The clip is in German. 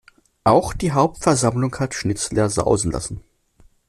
Auch die Hauptversammlung hat Schnitzler sausen lassen.